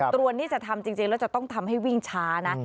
ตรวนที่จะทำจริงแล้วจะต้องทำให้วิ่งช้านะ